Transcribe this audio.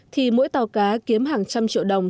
thì mỗi tàu cá kiếm hàng trăm triệu đồng